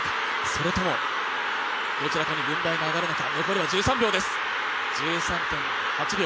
それともどちらかに軍配が上がるのか。